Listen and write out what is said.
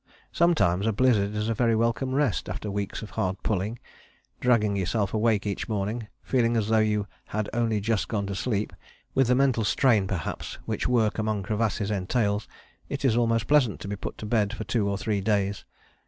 Sometimes a blizzard is a very welcome rest: after weeks of hard pulling, dragging yourself awake each morning, feeling as though you had only just gone to sleep, with the mental strain perhaps which work among crevasses entails, it is most pleasant to be put to bed for two or three days.